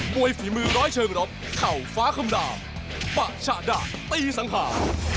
ฝีมือร้อยเชิงรบเข่าฟ้าคำดามปะฉะดะตีสังหา